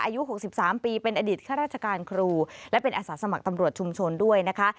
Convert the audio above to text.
อายุ๖๓ปีเป็นอดีตข้าราชการครูและเป็นอาสาสมัครตำรวจชุมชนด้วยนะคะ